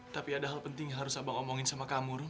tapi ada hal penting yang harus abang omongin sama kamu